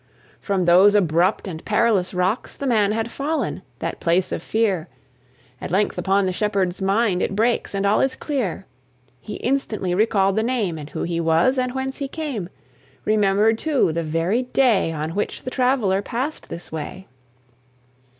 From those abrupt and perilous rocks The Man had fallen, that place of fear! At length upon the Shepherd's mind It breaks, and all is clear: He instantly recalled the name, And who he was, and whence he came; Remembered, too, the very day On which the traveller passed this way.